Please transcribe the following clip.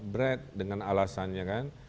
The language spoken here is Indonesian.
break dengan alasannya kan